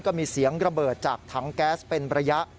ก็มีเสียงระเบิดจากถังแก๊สเป็นระยะ